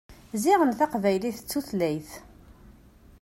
Ziɣen taqbaylit d tutlayt.